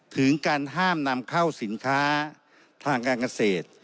ถึงการห้ามนำเข้าสินค้าทางการเกษตร